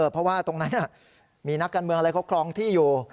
เพราะว่าตรงนั้นมีนักการเมืองอะไรเขาครองที่อยู่